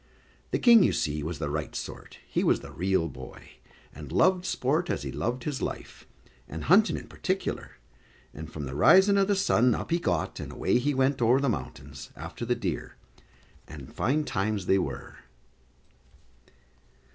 The King, you see was the right sort; he was the real boy, and loved sport as he loved his life, and hunting in particular; and from the rising o' the sun, up he got, and away he went over the mountains after the deer; and fine times they were.